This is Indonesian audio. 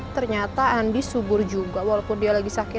ternyata andi subur juga walaupun dia lagi sakit